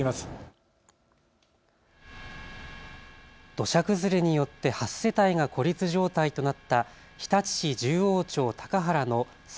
土砂崩れによって８世帯が孤立状態となった日立市十王町高原の沢